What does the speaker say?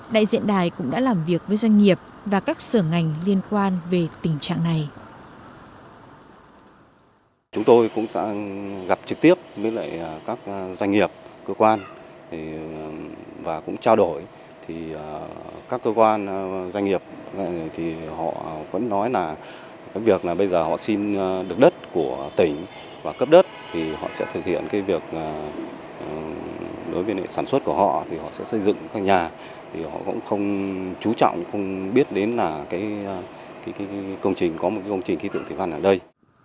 đại diện đài cũng đã làm việc với doanh nghiệp và các sở ngành liên quan về tình trạng này